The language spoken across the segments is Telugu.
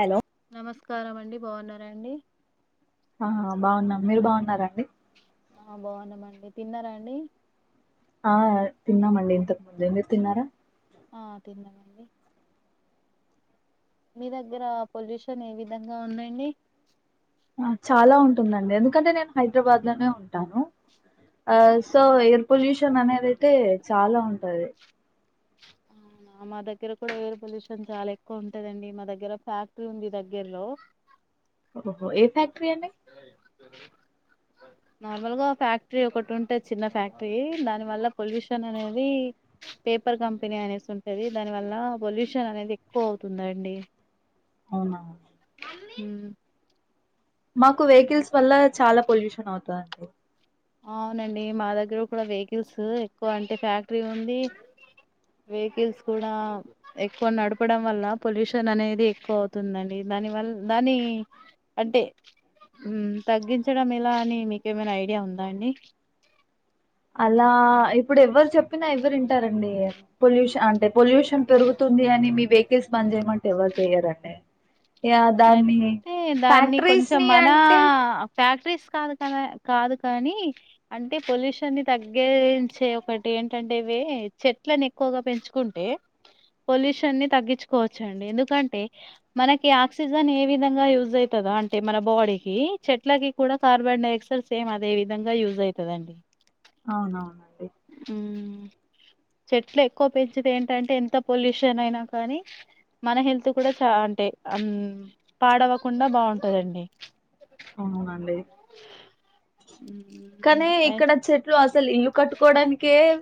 హలో నమస్కారం అండి బాగున్నారాండి ఆ బాగున్నాం మీరు బాగున్నార అండి ఆ బాగున్నామండి తిన్నారా అండి ఆ తిన్నామండి ఇంతకు ముందే మీర్ తిన్నారా ఆ తిన్నామండి మీ దగ్గర పొల్యూషన్ ఏ విధంగా ఉందండి చాలా ఉంటుందండి ఎందుకంటే నేను హైదరాబాద్ లోనే ఉంటాను ఆ సో అవునా ఎయిర్ పొల్యూషన్ అనేది అయిత్ టే చాలా ఉంటది అవునా మా దగ్గర కూడా ఎయిర్ పొల్యూషన్ చాలా ఎక్కువ ఉంటదండి మా దగ్గర ఫ్యాక్టరీ ఉంది దగ్గరలో ఓహో ఏ ఫ్యాక్ క్టరీ అండి నార్మల్గా ఫ్యాక్టరీ ఒకటి ఉంటది చిన్న ఫ్యాక్టరీ దానివల్ల పొల్యూషన్ అనేది పేపర్ కంపెనీ అనేసి ఉంటుంది దానివల్ల పొల్యూషన్ అనేది ఎక్కువ అవుతుందండి అవునా హ్మ్ మాకు వెహికల్స్ వల్ల చాలా పొల్యూషన్ అవుతాది అండి అవునండి మా దగ్గర కూడా వెహికల్స్ ఎక్కువ అంటే ఫ్యాక్టరీ ఉంది వెహికల్స్ కూడా ఎక్కువ నడపడం వల్ల పొల్యూషన్ అనేది ఎక్కువ అవుతుందండి దాని వల్ దాని అంటే తగ్గించడం ఎలా అని మీకేమైనా ఐడియా ఉంద దా అండి అలా ఇప్పుడు ఎవరు చెప్పినా ఎవ్వరు వింటారండి పొల్యూషన్ అంటే పొల్యూషన్ పెరుగుతుంది అని మీ వెహికల్స్ బంద్ చేయమంటే ఎవరు చెయ్యారండి యా దాన్ని అయితే దాన్ని ఫ్యాక్టరీస్ కొంచెం ని మన అంటే ఫ్యాక్టరీస్ కాదు క కాదు కానీ అంటే పొల్యూషన్ని తగ్గించే ఒకటి ఏంటంటేవి చెట్లను ఎక్కువగా పెంచుకుంటే పొల్యూషన్ని ని తగ్గించుకోవచ్చుండి ఎందుకంటే మనకి అక్ ఆక్సిజన్ ఏ విధంగా యూజ్ అవుతుంద అంటే మన బాడీకి చెట్లకి కూడా కార్బన్ డై ఆక్సైడ్ సేమ్ అదే విధంగా యూజ్ అవుతదండి అవునవునండి చెట్లు ఎక్కువ పెంచితే ఏంటంటే ఎంత పొల్యూషన్ అయినా కానీ మన హెల్త్ కూడా చా అంటే ఆ పాడావ్వకుండా బాగుంటందండి అవునండి కానీ ఇక్కడ చెట్లు అసలు ఇల్ కట్టుకోవడానికి ఏవ్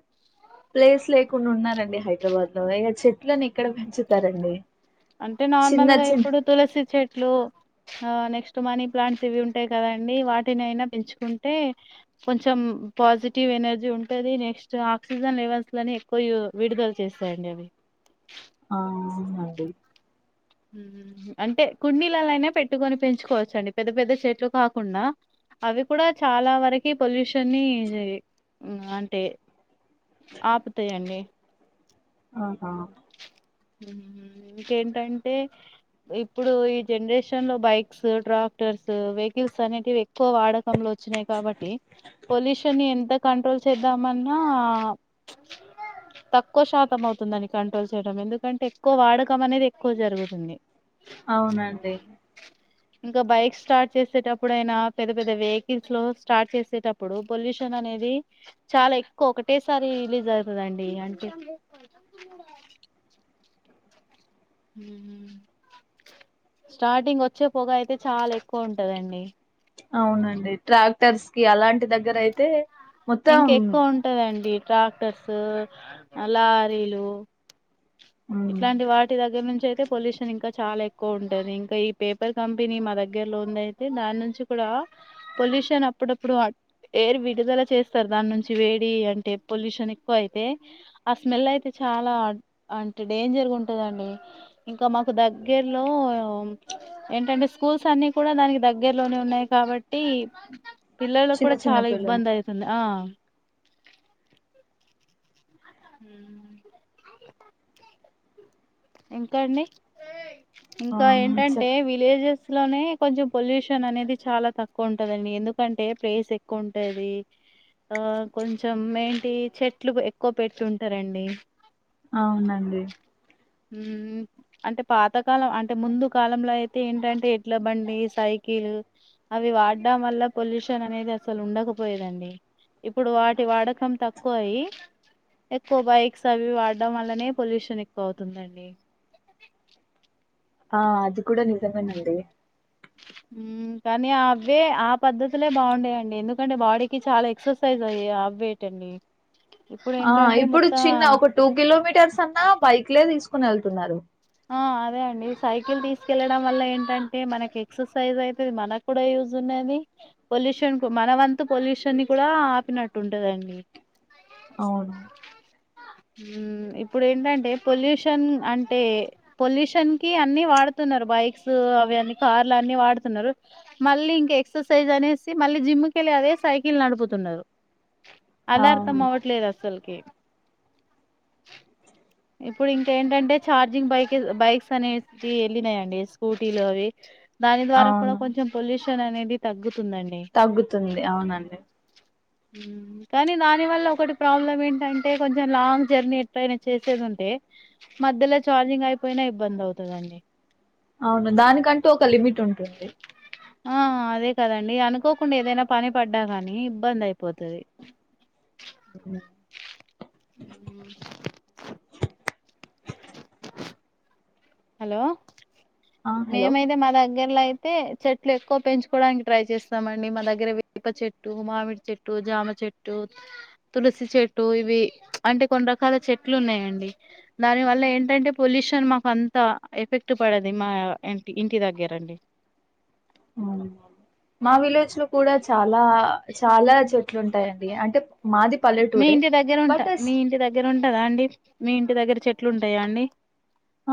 ప్లేస్ లేకుండా ఉన్నారండి హైదరాబాద్ లో ఇగు చెట్లను ఎక్కడ పెంచుతారండి. అంటే చిన్న నార్మల్గా చిన్న ఇప్పుడు తులసి చెట్లు ఆ నెక్స్ ట్ మనీ ప్లాంట్స్ ఇవి ఉంటాయి కదా అండి వాటిని అయినా పెంచుకుంటే కొంచెం పాజిటివ్ ఎనర్జీ ఉంటుంది. నెక్స్ట్ ఆక్సిజన్ లెవెల్స్లని ఎక్కువ విడుదల చేస్తాయండి అవి. ఆ అవునండి మ్మ్ అంటే కుండీల లైనా పెట్టుకొని పెంచుకోవచ్చు అండి పెద్ద పెద్ద చెట్లు కాకుండా, అవి కూడా చాలా వరకి పొల్యూషన్ని జే మ్ అంటే ఆపుతాయండి. ఆహా హ్మ్ ఇంకేంటన్ టే ఇప్పుడు ఈ జనరేషన్ లో బైక్స్, ట్రాక్టర్స్, వెహికిల్స్ అనేటివి ఎక్కువ వాడకంలో వచ్చినాయి కాబట్టి, పొల్యూషన్ ఎంత కంట్రోల్ చేద్దామన్నా తక్కువ శాతం అవుతుందని కంట్రోల్ చేయడం ఎందుకంటే ఎక్కువ వాడకం అనేది. క్కువ జరుగుతుంది అవునండి ఇంకా బైక్ స్టార్ట్ చేసేటప్పుడు అయినా పెద్ద పెద్ద వెహికిల్స్ లో స్టార్ట్ చేసేటప్పుడు పొల్యూషన్ అనేది చాలా ఎక్కువ ఒకటేసారి రిలీజ్ అయితదండి. అంటే స్టార్టింగ్ వచ్చే పొగ అయితే చాలా ఎక్కువ ఉంటదండి. అవునండి ట్రాక్టర్స్ కి అలాంటి దగ్గర అయితే మొత్తం ఇంక ఎక్కువ ఉంటదండి ట్రాక్టర్స్ లారీలు ఉమ్, ఇట్లాంటి వాటి దగ్గర నుం చి అయితే పొల్యూషన్ ఇంకా చాలా ఎక్కువ ఉంటది. ఇంకా ఈ పేపర్ కంపెనీ మా దగ్గర లో ఉంది, అయితే దాని నుంచి కూడా పొల్యూషన్ అప్పుడప్పుడు ఎయిర్ విడుదల చేస్తారు, దాని నుంచి వేడి అంటే పొల్యూషన్ ఎక్కువ అయితే ఆ స్మెల్ అయితే చాలా అం టే డేంజర్గుంటదండి ఇంకా మాకు దగ్గర్లో ఏంటంటే స్కూల్స్ అన్ని కూడా దానికి దగ్గర్లోనే ఉన్నాయి కాబట్టి, పిల్లలకు చిన్న కూడా చిన్న చాలా పిల్లలు ఇబ్బంది అయితుంది ఆ హ్మ్ ఇంకా అండి ఆ ఇంకా ఏంటంటే చెప్ విలేజెస్ లోనే కొంచెం పొల్యూషన్ అనేది చాలా తక్కువ ఉంటదండి. ఎందుకంటే ప్లేస్ ఎక్కువ ఉంటది, ఆ కొంచెం ఏంటి చెట్లు ఎక్కువ పెట్టి ఉంటారండి. అవునండి అంటే పాతకాలం అంటే ముందు కాలంలో అయితే ఏంటంటే ఎట్ల బండి సైకిల్ అవి వాడ్డం వల్ల పొల్యూషన్ అనేది అసలు ఉండకపోయేదండి. ఇప్పుడు వాటి వాడకం తక్కువ అవి ఎక్కువ బైక్స్ అవి వాడడం వల్లనే పొల్యూషన్ ఎక్కువ అవుతుందం డి ఆ అది కూడా నిజమేనండి మ్మ్ కానీ అవే ఆ పద్ధతులే బాగుండేయండి, ఎందుకంటే బాడీకి చాలా ఎక్సర్సైజ్ అయ్యి అవ్వేటండి. ఇప్పుడు ఆ ఏంటంటే ఇప్పుడు మొత్తం చిన్న ఒక టూ కిలోమీటర్స్ అన్నా బైక్లే తీసు కొని వెళ్తున్నారు ఆ అదే అండి సైకిల్ తీసుకెళ్లడం వల్ల ఏంటంటే మనకి ఎక్సర్సైజ్ అయితది. మనకు కూడా యూజ్ ఉన్నది, పొల్యూషన్ కు మన వంతు పొల్యూషన్ ని కూడా ఆపినట్టు ఉంటదండి. అవును మ్మ్ ఇప్పుడు ఏంటంటే పొల్యూషన్ అంటే పొల్యూషన్ కి అన్ని వాడుతున్నారు బైక్స్ అవి అన్నీ కార్లు అన్ని వాడుతున్నారు. మళ్ళీ ఇంకా ఎక్సర్సైజ్ అనేసి మళ్ళీ జిమ్కి వెళ్ళి అదే సైకిల్ నడుపుతున్నరు. అలా అర్థం అవును అవ్వట్లేదు అస్సల్ కే ఇప్పుడు ఇంకేంటంటే ఛార్జింగ్ బైక్ బైక్స్ అనేసి వెళ్ళినాయండి స్కూటీలు అవి. దాని ద్వారా కూడా అవును కొంచెం పొల్యూ షన్ అనేది తగ్గు తగ్గుతుంది అవునండి మ్మ్ కానీ దాని వల్ల ఒకటి ప్రాబ్లం ఏంటంటే కొంచెం లాంగ్ జర్నీ ఎటైనా చేస్ వచ్చేది ఉంటే మధ్యలో చార్జింగ్ అయిపోయినా ఇబ్బంది అవుతదండి అవును దానికంటు ఒక లిమిట్ ఉంటుంది ఆ అదే కదండి అనుకోకుండా ఏదైనా పని పడ్డా కాని ఇబ్బంది అయిపోతది. అ అ హలో ఆ హలో మేమైతే మాదగ్ గేర్ లో అయితే చెట్లు ఎక్కువ పెంచుకోవడానికి ట్రై చేస్తామండి. మా దగ్గర వేప చెట్టు, మామిడి చెట్టు, జామ చెట్టు, తులసి చెట్టు ఇవి ప్చ్ అంటే కొన్ని రకాల చెట్లు ఉన్నాయండి దాని వల్ల ఏంటంటే పొల్యూషన్ మాకు అం ఎంత ఎఫెక్ట్ పడది మా ఇంటి ఇంటి దగ్గర అండి మా విళ వ కూ చాలా చాలా చ మీ ఇంటి దగ్గర బట్ ఉంటా అస్ మీ ఇంటి దగ్గరంటా కదా అండి మీ ఇంటి దగ్గర చెట్లు ఉంటాయా అండి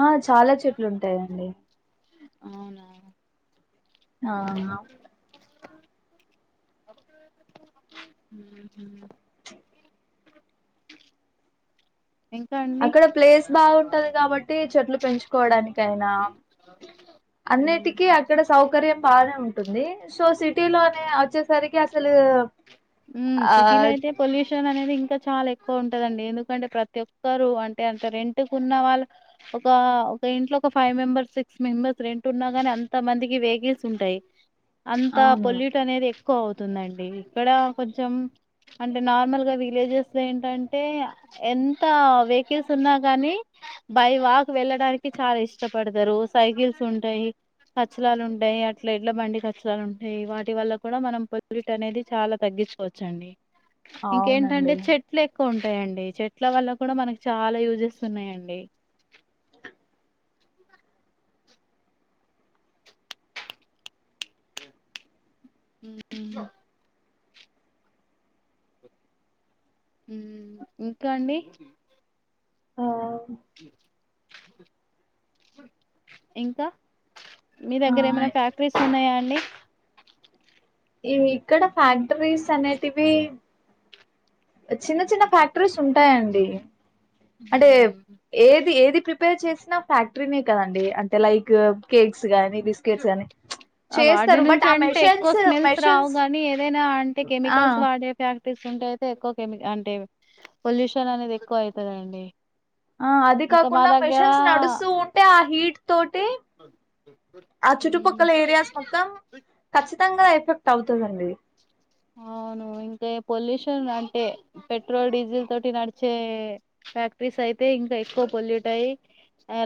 ఆ చాలా చెట్లు ఉంటాయండి అవునా ఆ మ్మ్. ఇంకా అండి అక్కడ ప్లేస్ బాగుంటంది కాబట్టి చెట్లు పెంచుకోవడానిక అయినా అన్నిటికీ మ్మ్. అక్కడ సౌకర్యం బానే ఉంటుంది సో సిటీలోనే వచ్చేసరికి అ సలు ఉ సిటీలో అయితే పొల్యూషన్ అనేది ఇంకా చాలా ఎక్ ఎక్కువ ఉంటదండి ఎందుకంటే ప్రతి ఒక్కరు అంటే అంటే రెంట్ కు ఉన్న వాళ్ళు ఒక ఒక ఇంట్లో ఒక five members six members rent ఉన్నా ని అంత మందికి వెహికల్స్ ఉంటాయి అంత అవును పొల్యూట్ అనేది ఎ ఎక్కువ అవుతుందండి ఇక్కడ కొంచెం అంటే నార్మల్ గా విలేజెస్ లో ఏంటంటే ఎంత వెహికల్స్ ఉన్నా కాని బై వాక్ వెళ్ళడానికి చాలా ఇష్టపడతారు సైకిల్స్ ఉంటాయి కచ్చలాలు ఉంటాయి అట్లా ఎడ్ల బండి కచ్చరాలు ఉంటాయి వాటి వల్ల కూడా మనం పొరిట్ అనేది చాలా తగ్గించుకోవచ్చండి ఇంకేంటంటే అవునండి చెట్లు ఎక్కువ ఉంటాంది యండి చెట్ల వల్ల కూడా మనకి చాలా యూజెస్ ఉన్నాయండి ఇంకా అండి ఆం ఇంకా మీ దగ్గర ఆ ఏమైనా ఫ్యాక్టరీస్ ఉన్నాయా అండి ఈ ఇక్కడ ఫ్యాక్టరీస్ అనేటివి చిన్న చిన్న ఫ్యాక్టరీస్ ఉంటాయండి అంటే ఉహుహు. ఏది ఏది ప్ర పేర్ చేసిన ఫ్యాక్టరీనే కదండి అంటే లైక్ కేక్స్ గానీ బిస్కెట్స్ గానీ వాటి చేస్తారు బట్ నుంచి ఆ అంటే ఎక్కువ మెషన్స్ స్మెల్స్ మెషన్స్ రావుగాని ఏదైనా అంటే ఆ కెమికల్స్ వాడే ఫ్యాక్ట తీసుకుంటే అయితే ఎక్కువె అంటే పొల్యూషన్ అనేది ఎక్కువ అయితదండి ఆ అది ఇంకా మా కాకుండా దగ్గర మెషన్స్ నడుస్తూ ఉంటే ఆ హీట్ తోటి ఆ ఉమ్, చుట్టుపక్కల ఏరియాస్ మొత్తం ఖచ్చితంగా ఎఫెక్ట్ అవుతదండి అవును ఇంకా పొల్యూషన్ అంటే పెట్రోల్ డీజిల్ తోటి నడిచే ఫ్యాక్టరీస్ అయితే ఇంకా ఎక్కువ పొల్యూట్ అయ్యి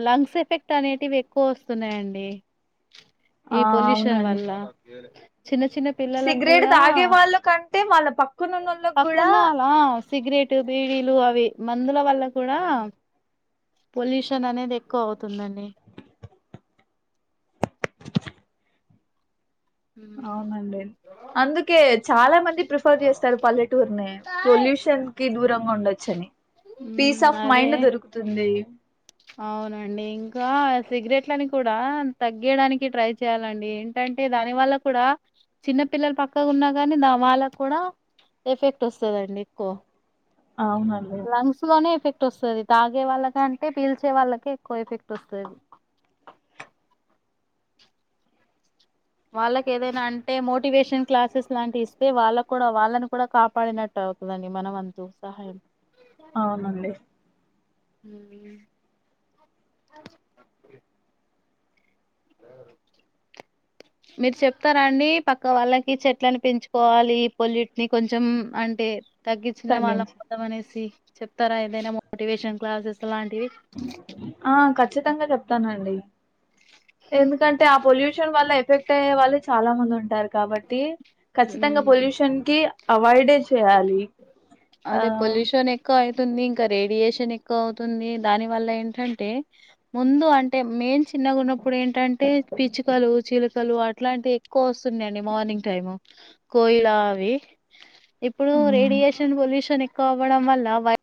లంగ్స్ ఎఫెక్ట్ అనేటివి ఎక్కువ వస్తున్నాయండి ఈ ఆ పొల్యూషన్ అవునండి వల్ల చిన్న చిన్న పిల్లలకు సిగరెట్ కూడా తాగే వాళ్ళ కంటే వాళ్ళ పక్కనునోళకి కూడా పక్కున్న అలా సిగరెట్ బీడీలు అవి మందుల వల్ల కూడా పొల్యూషన్ అనేది ఎక్కువ అవుతుందండి [unintelligible] అవునండి అందుకే చాలా మంది ప్రిఫర్ చేస్తారు పల్లెటూర్ని పొల్యూషన్ కి దూరంగా ఉండొచ్చని పీస్ ఉమ్ ఆఫ్ అదే మైండ్ దొరుకుతుంది అవునండి ఇంకా సిగరెట్లని కూడా తగ్గియడానికి ట్రై చేయ్యాలండి ఏంటంటే దానివల్ల కూడా చిన్న పిల్లలు పక్కకు ఉన్నా కానీ ద వాళ్ళకి కూడా ఎఫెక్ట్ వస్తదండి ఎక్కువ అవునండి లంగ్స్ లోనే ఎఫెక్ట్ తాగే వాళ్ళకంటే పీల్చే వాళ్ళకే ఎక్కువ ఎఫెక్ట్ వస్తది వాళ్ళకి ఏదైనా అంటే మోటివేషన్ క్లాసెస్ లాంటి ఇస్తే వాళ్ళకు కూడా వాళ్ళని కూడా కాపాడినట్టు అవుతుదండి మన వంతు సహాయం అవునండి [unintelligible] మీరు చెప్తారా అండి పక్క వాళ్ళకి చెట్లను పెంచుకోవాలి పొల్యూట్ని కొంచెం అంటే తగ్గించిన తగ్గించి వాళ్లమౌతం అనేసి చెప్తారా ఏదైనా మోటివేషన్ క్లాసెస్ లాంటివి ఆ కఖచ్చితంగా చెప్త తానండి ఎందుకంటే ఆ పొల్యూషన్ వల్ల ఎఫెక్ట్ అయ్యే వాళ్ళు చాలా మంది ఉంటారు కాబట్టి ఖచ్చితంగ ఉమ్. పొల్యూషన్ కి అవాయిడె చేయాలి ఆ అదే పొల్యూషన్ ఎక్కువ అయి తుంది ఇంకా రేడియేషన్ ఎక్కువ అవుతుంది దాని వల్ల ఏంటంటే ముందు అంటె మేం చిన్నగ ఉన్నప్పుడు ఏంటంటె పిచ్చుకలు చిలుకలు అట్లాంటివి ఎక్కువ వస్తున్నయి అండి మార్నింగ్ టైమ్ కోయిలా అవి ఇప్పుడు మ్మ్ రేడియేషన్ పొల్యూషన్ ఎక్కువ అవ్వడం వల్ల వ